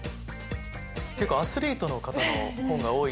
結構アスリートの方の本が多い。